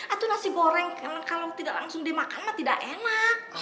aduh nasi goreng kalo langsung dia makan mah tidak enak